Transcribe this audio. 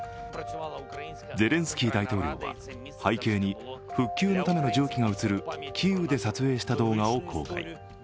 ゼレンスキー大統領は背景に復旧のための重機が映るキーウで撮影した動画を公開。